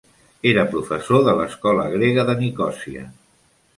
Era professor de l'Escola Grega de Nicòsia.